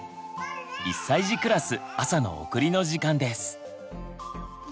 １歳児クラス朝の送りの時間です。